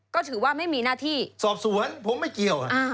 ก็ถือว่าไม่มีหน้าที่สอบสวนผมไม่เกี่ยว